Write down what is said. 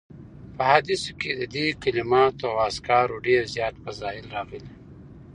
په احاديثو کي د دي کلماتو او اذکارو ډير زیات فضائل راغلي